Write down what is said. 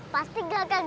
pasti gagah gagah mama